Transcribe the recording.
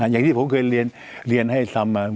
อย่างที่ผมเคยเรียนให้ซ้ำมา